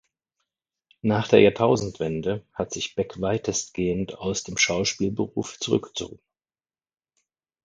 Nach der Jahrtausendwende hat sich Beck weitestgehend aus dem Schauspielberuf zurückgezogen.